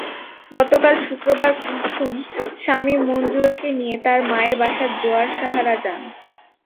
গতকাল শুক্রবার কুলসুম স্বামী মনজুরুলকে নিয়ে তাঁর মায়ের বাসা জোয়ারসাহারা যান।